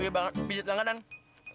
hah pijit langganan